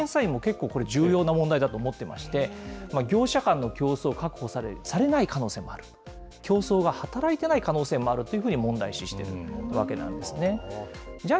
会計検査院も結構これ、重要な問題だと思ってまして、業者間の競争が確保されない可能性もあると、競争が働いていない可能性もあるというふうに問題視しているわけなんですね。